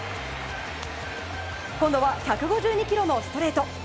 今度は１５２キロのストレート。